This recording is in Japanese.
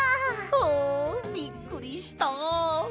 あびっくりした。